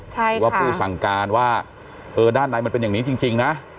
เพราะว่าผู้สั่งการว่าเออด้านในมันเป็นอย่างนี้จริงนะ